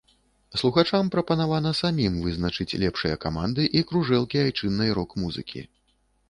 Слухачам прапанавана самім вызначыць лепшыя каманды і кружэлкі айчыннай рок-музыкі.